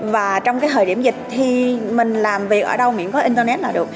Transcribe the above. và trong thời điểm dịch thì mình làm việc ở đâu miễn có internet là được